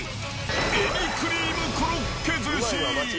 エビクリームコロッケ寿司。